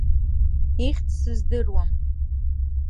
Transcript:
Ихьӡ сыздыруам.